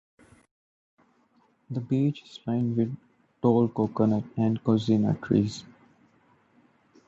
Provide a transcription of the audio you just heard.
The beach is lined with tall coconut and casuarina trees.